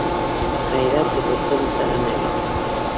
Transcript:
غیرت د بزدلو سره نه وي